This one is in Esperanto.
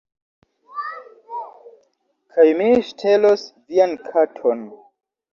Kaj mi ŝtelos vian katon